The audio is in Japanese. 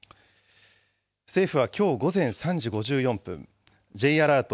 政府はきょう午前３時５４分、Ｊアラート